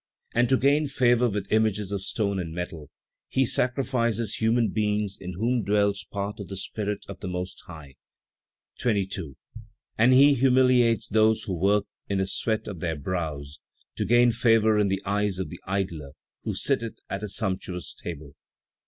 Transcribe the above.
"And to gain favor with images of stone and metal, he sacrifices human beings in whom dwells part of the Spirit of the Most High; 22. "And he humiliates those who work in the sweat of their brows, to gain favor in the eyes of the idler who sitteth at a sumptuous table.